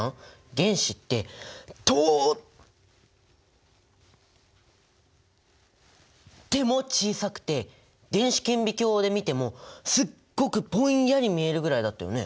原子ってとっても小さくて電子顕微鏡で見てもすっごくぼんやり見えるぐらいだったよね？